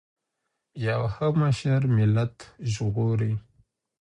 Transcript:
یو ښه مشر ملت ژغوري.